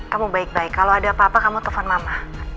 kamu baik baik kalau ada apa apa kamu telfon mama